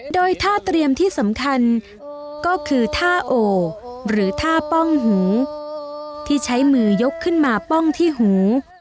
โดยท่าเตรียมที่สำคัญก็คือท่าโอหรือท่าป้องหูที่ใช้มือยกขึ้นมาป้องที่หู